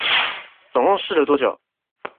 總共試了多久？